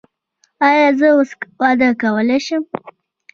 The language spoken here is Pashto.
ایا زه اوس واده کولی شم؟